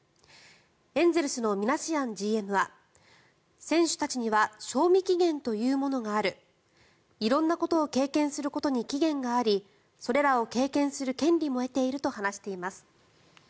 エンゼルスのミナシアンＧＭは選手たちには賞味期限というものがある色んなことを経験することに期限がありそれらを経験する権利も得ていると話しています。